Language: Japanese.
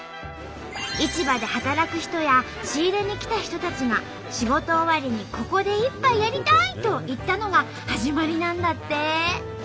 市場で働く人や仕入れに来た人たちが「仕事終わりにここで一杯やりたい！」と言ったのが始まりなんだって！